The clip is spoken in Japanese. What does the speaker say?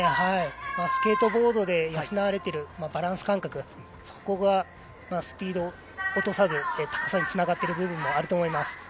スケートボードで養われているバランス感覚そこがスピードを落とさず、高さにつながっている部分があると思います。